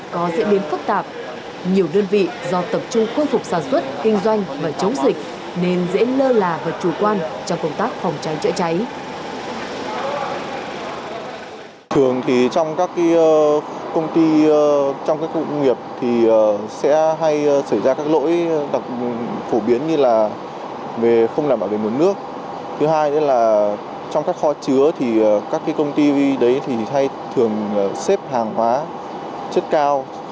có diễn biến phức tạp nhiều đơn vị do tập trung quân phục sản xuất kinh doanh và chống dịch